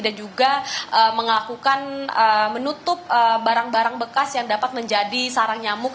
dan juga mengakukan menutup barang barang bekas yang dapat menjadi sarang nyamuk